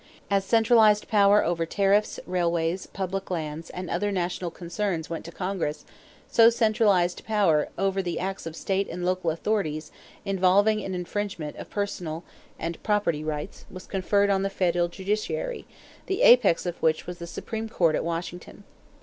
As centralized power over tariffs, railways, public lands, and other national concerns went to Congress, so centralized power over the acts of state and local authorities involving an infringement of personal and property rights was conferred on the federal judiciary, the apex of which was the Supreme Court at Washington.